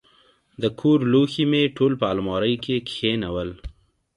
د کور لوښي مې ټول په المارۍ کې کښېنول.